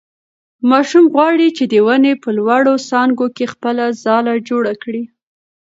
ماشوم غواړي چې د ونې په لوړو څانګو کې خپله ځاله جوړه کړي.